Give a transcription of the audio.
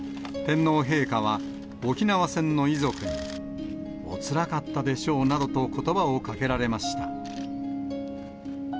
天皇陛下は沖縄戦の遺族に、おつらかったでしょうなどと、ことばをかけられました。